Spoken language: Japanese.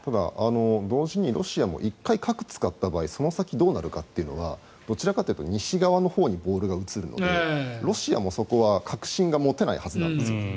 同時にロシアも１回、核を使った場合その先、どうなるかというのがどちらかというと西側のほうにボールが移るのでロシアもそこは確信が持てないはずなんです。